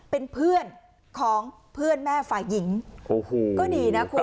เป็นเพื่อนของเพื่อนแม่ฝ่ายหญิงโอ้โหก็ดีนะคุณ